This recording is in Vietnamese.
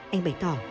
anh bày tỏ